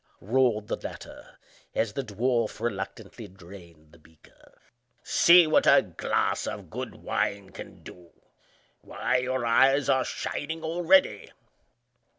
roared the latter, as the dwarf reluctantly drained the beaker. "See what a glass of good wine can do! Why, your eyes are shining already!"